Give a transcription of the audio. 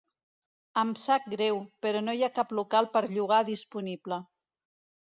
Em sap greu, però no hi ha cap local per llogar disponible.